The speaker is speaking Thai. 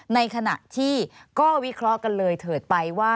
ในขณะที่ก็วิเคราะห์กันเลยเถิดไปว่า